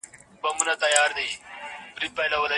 استاد نتو، فرهاد دریا، میر خان مقری